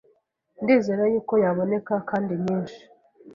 ndizera y’uko yaboneka kandi nyinshi